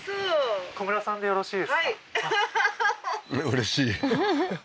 うれしい。